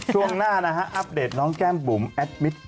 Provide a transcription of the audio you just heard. ช่วงหน้านะฮะอัปเดตน้องแก้มบุ๋มแอดมิตร